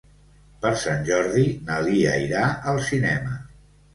Per Sant Jordi na Lia irà al cinema.